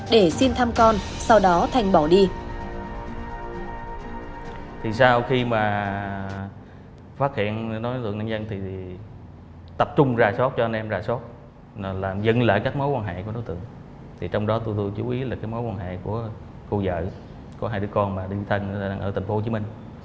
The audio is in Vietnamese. để xin thăm con sau đó thành bỏ đi